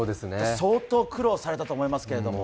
相当苦労されたと思いますけれども。